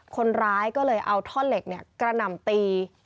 คนร้ายก็เลยเอาท่อนเหล็กกระหน่ำตี